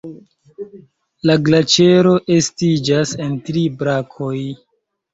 La glaĉero estiĝas en tri brakoj.